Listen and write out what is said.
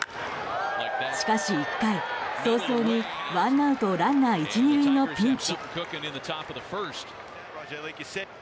しかし、１回早々にワンアウトランナー１、２塁のピンチ。